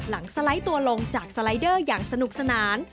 สไลด์ตัวลงจากสไลเดอร์อย่างสนุกสนาน